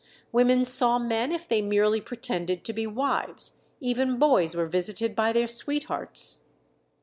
Women saw men if they merely pretended to be wives; even boys were visited by their sweethearts.